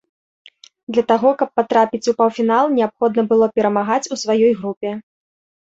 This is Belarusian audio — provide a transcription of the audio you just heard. Для таго, каб патрапіць у паўфінал неабходна было перамагаць у сваёй групе.